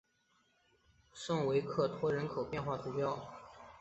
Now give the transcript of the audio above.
圣维克托人口变化图示